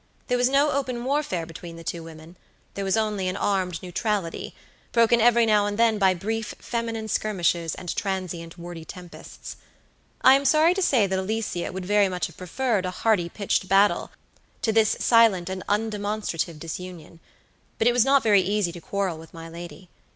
There was no open warfare between the two women; there was only an armed neutrality, broken every now and then by brief feminine skirmishes and transient wordy tempests. I am sorry to say that Alicia would very much have preferred a hearty pitched battle to this silent and undemonstrative disunion; but it was not very easy to quarrel with my lady.